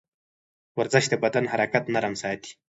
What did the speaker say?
ورزش د بدن حرکات نرم ساتي.